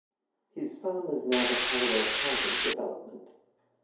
His farm is now the Hallowell housing development.